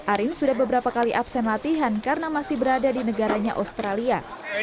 arin sudah beberapa kali absen latihan karena masih berada di negaranya australia